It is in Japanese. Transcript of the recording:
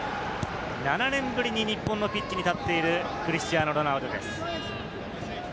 ７年ぶりに日本のピッチに立っているクリスティアーノ・ロナウドです。